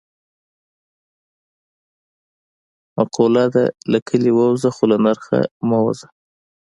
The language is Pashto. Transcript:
معقوله ده: له کلي ووځه خو له نرخ نه مه وځه.